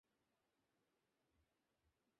Sir, আমি রাজ রাজন।